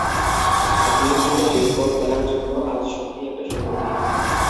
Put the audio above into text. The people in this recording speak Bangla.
গ্রিন হিলে বেসবল খেলার জন্য আজ সত্যিই একটা সুন্দর দিন।